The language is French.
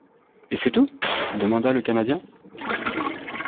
—Et c'est tout ? demanda le Canadien.